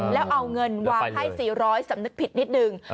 แล้วเอาเงินวางให้๔๐๐สำนึกผิดนิดนึง